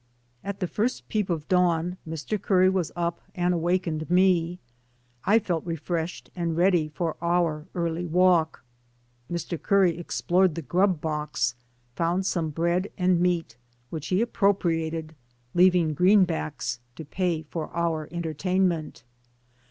"At the first peep of dawn Mr. Curry was up and awakened me. I felt refreshed and ready for our early walk. Mr. Curry ex plored the grub box, found some bread and meat, which he appropriated, leaving green backs to pay for our entertainment.